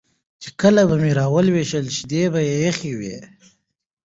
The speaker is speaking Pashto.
چې کله به مې راولوشله شیدې به یې یخې وې